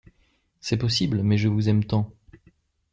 C’est possible ! mais je vous aime tant !